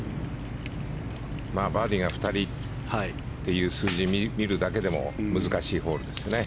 バーディーが２人っていう数字を見るだけでも難しいホールですよね。